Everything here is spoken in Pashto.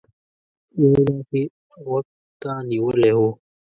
يو لاس يې غوږ ته نيولی و.